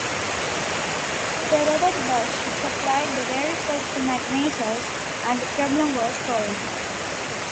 Sir Robert Bosch supplied the very first magnetos and the problem was solved.